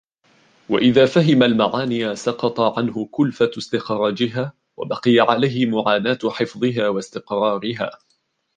وَإِذَا فَهِمَ الْمَعَانِيَ سَقَطَ عَنْهُ كُلْفَةُ اسْتِخْرَاجِهَا وَبَقِيَ عَلَيْهِ مُعَانَاةُ حِفْظِهَا وَاسْتِقْرَارِهَا